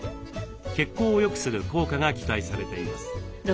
血行をよくする効果が期待されています。